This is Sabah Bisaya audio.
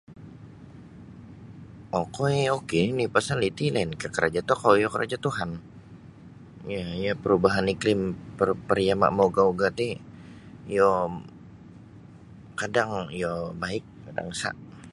Okoi ok nini' pasal iti lainkah korojo tokou iyo korojo Tuhan um parubahan iklim par pariama' maugah-ugah ti iyo kadang iyo baik kadang sa'.